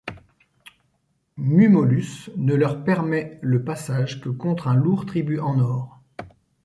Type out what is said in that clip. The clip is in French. Mummolus ne leur permet le passage que contre un lourd tribut en or.